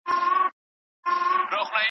د کورنيو مشرانو!